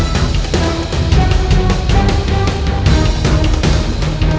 kanda akan menanyakannya kepada mereka